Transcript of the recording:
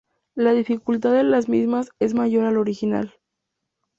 La dificultad de las mismas es mayor al original.